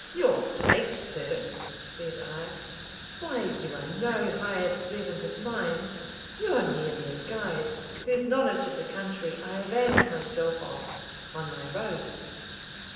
"Your place, sir!" said I; "why, you are no hired servant of mine, you are merely a guide, whose knowledge of the country I availed myself of on my road."